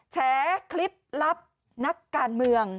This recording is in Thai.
แฉคลิปลับนักการเมือง